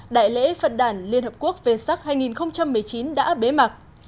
đại lễ phật đảng liên hợp quốc về sắc hai nghìn một mươi chín đã bế mặc